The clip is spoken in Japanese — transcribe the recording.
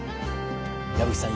矢吹さん